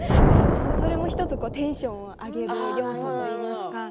それも１つテンションを上げる要素になります。